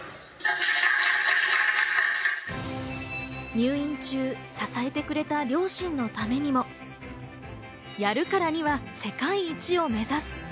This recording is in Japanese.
入院中、支えてくれた両親のためにも、やるからには世界一を目指す。